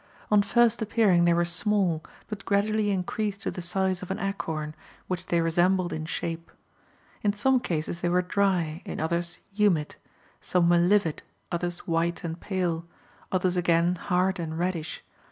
On first appearing they were small, but gradually increased to the size of an acorn, which they resembled in shape. In some cases they were dry, in others humid; some were livid, others white and pale, others again hard and reddish.